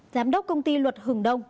giám đốc công ty luật hùng đông